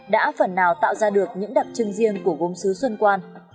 đã phần nào tạo ra được những đặc trưng riêng của gốm xứ xuân quan